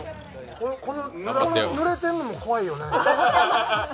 ぬれてるのも怖いよね。